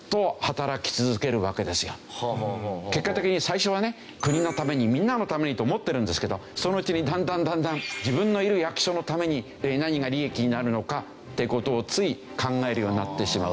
結果的に最初はね国のためにみんなのためにと思ってるんですけどそのうちにだんだんだんだん自分のいる役所のために何が利益になるのかって事をつい考えるようになってしまう。